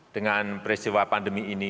dengan peristiwa pandemi ini